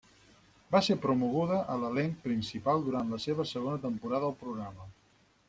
Va ser promoguda a l'elenc principal durant la seva segona temporada al programa.